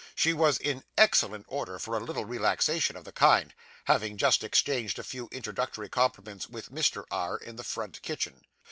She was in excellent order for a little relaxation of the kind, having just exchanged a few introductory compliments with Mr. R. in the front kitchen.